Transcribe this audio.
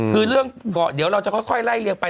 คือเรื่องเดี๋ยวเราจะค่อยไล่เรียงไป